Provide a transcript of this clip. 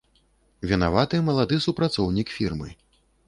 Вінаваты малады супрацоўнік фірмы.